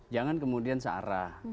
jangan kemudian searah